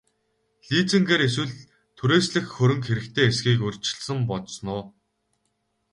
Лизингээр эсвэл түрээслэх хөрөнгө хэрэгтэй эсэхийг урьдчилан бодсон уу?